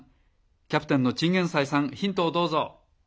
キャプテンのチンゲンサイさんヒントをどうぞ。